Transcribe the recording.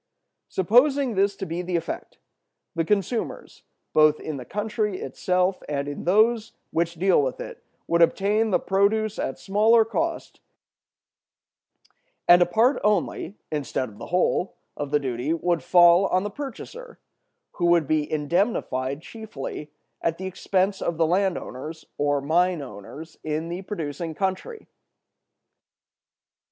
Supposing this to be the effect, the consumers, both in the country itself and in those which dealt with it, would obtain the produce at smaller cost; and a part only, instead of the whole, of the duty would fall on the purchaser, who would be indemnified chiefly at the expense of the land owners or mine owners in the producing country.